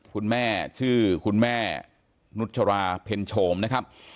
คุณแม่ชื่อคุณแม่นุชราเพ็ญโฉมนะครับ